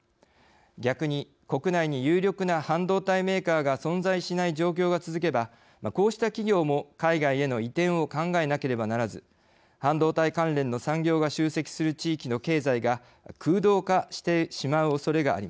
逆に国内に有力な半導体メーカーが存在しない状況が続けばこうした企業も海外への移転を考えなければならず半導体関連の産業が集積する地域の経済が空洞化してしまうおそれがあります。